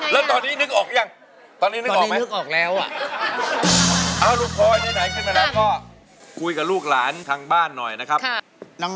แล้วตอนนี้นึกออกหรือยัง